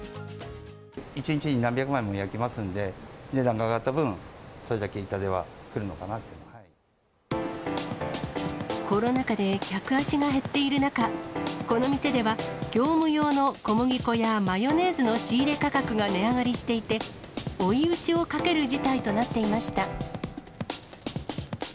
１日に何百枚も焼きますんで、値段が上がった分、コロナ禍で客足が減っている中、この店では、業務用の小麦粉やマヨネーズの仕入れ価格が値上がりしていて、追い打ちをかける事態となっていました。